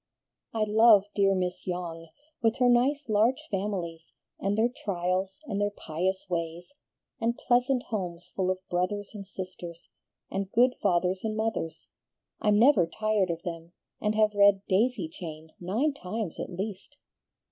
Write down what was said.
"I love dear Miss Yonge, with her nice, large families, and their trials, and their pious ways, and pleasant homes full of brothers and sisters, and good fathers and mothers. I'm never tired of them, and have read 'Daisy Chain' nine times at least."